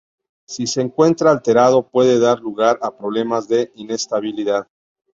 Si se encuentra alterado, puede dar lugar a problemas de inestabilidad.